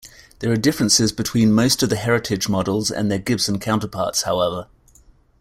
There are differences between most of the Heritage models and their Gibson counterparts, however.